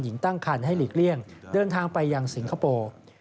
ตั้งคันให้หลีกเลี่ยงเดินทางไปยังสิงคโปร์